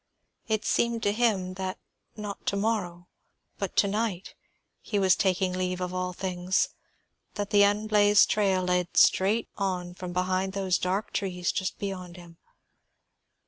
It seemed to him that not to morrow, but to night, he was taking leave of all things; that the unblazed trail led straight on from behind those dark trees just beyond him.